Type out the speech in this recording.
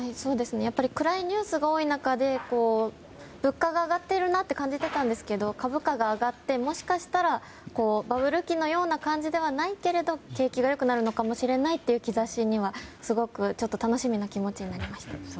暗いニュースが多い中で物価が上がっているなと感じていたんですが株価が上がって、もしかしたらバブル期のような感じではないけれども景気が良くなるかもしれないという兆しにはちょっと楽しみな気持ちになりました。